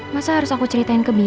masa harus aku ceritain ke mie